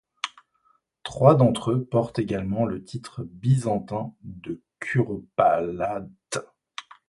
Trois d’entre eux portent également le titre byzantin de curopalate.